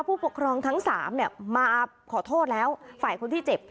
ผู้ปกครองทั้ง๓มาขอโทษแล้วฝ่ายคนที่เจ็บ